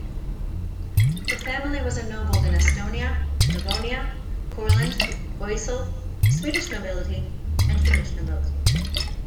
The family was ennobled in Estonia, Livonia, Courland, Oesel, Swedish Nobility and Finnish Nobility.